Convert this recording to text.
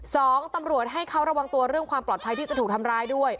ตำรวจให้เขาระวังตัวเรื่องความปลอดภัยที่จะถูกทำร้ายด้วย